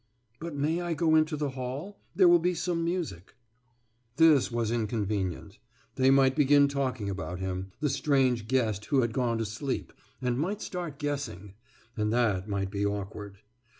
« »But may I go into the hall? There will be some music.« This was inconvenient. They might begin talking about him, the strange guest who had gone to sleep, and might start guessing ... and that might be awkward.